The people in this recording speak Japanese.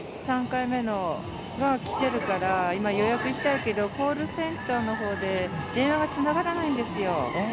３回目のが来てるから、今、予約したいけど、コールセンターのほうで電話がつながらないんですよ。